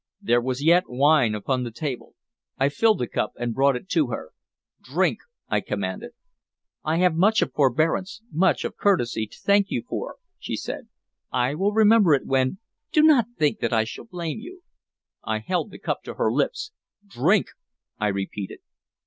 There was yet wine upon the table. I filled a cup and brought it to her. "Drink!" I commanded. "I have much of forbearance, much of courtesy, to thank you for," she said. "I will remember it when Do not think that I shall blame you" I held the cup to her lips. "Drink!" I repeated.